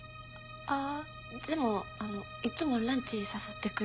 あでもあのいつもランチ誘ってくれる。